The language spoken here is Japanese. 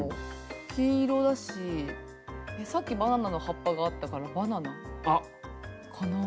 黄色だしさっきバナナの葉っぱがあったからバナナかなあ？